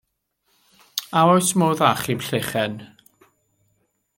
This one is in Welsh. A oes modd achub Llechen?